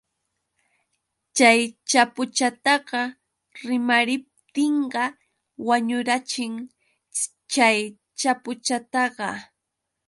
Chay chapuchataqa rimariptinqa wañurachin chay chapuchataqa.